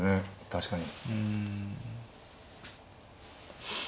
確かに。